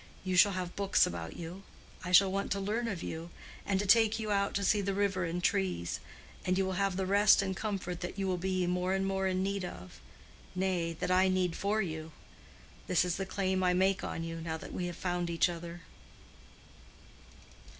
You shall have books about you. I shall want to learn of you, and to take you out to see the river and trees. And you will have the rest and comfort that you will be more and more in need of—nay, that I need for you. This is the claim I make on you, now that we have found each other."